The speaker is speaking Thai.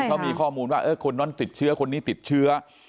เขามีข้อมูลว่าคนนั้นติดเชื้อคนนี้ติดเชื้อ